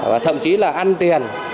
và thậm chí là ăn tiền